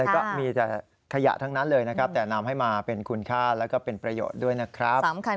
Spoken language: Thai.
ก็มีแต่ขยะทั้งนั้นเลยนะครับแต่นำให้มาเป็นคุณค่าแล้วก็เป็นประโยชน์ด้วยนะครับ